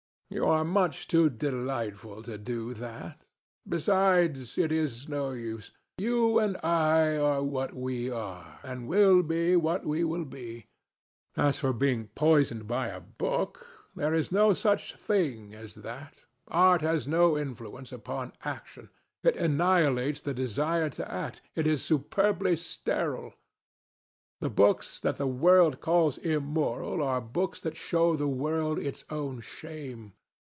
You are much too delightful to do that. Besides, it is no use. You and I are what we are, and will be what we will be. As for being poisoned by a book, there is no such thing as that. Art has no influence upon action. It annihilates the desire to act. It is superbly sterile. The books that the world calls immoral are books that show the world its own shame.